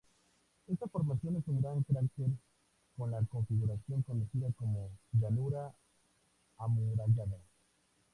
Esta formación es un gran cráter con la configuración conocida como llanura amurallada.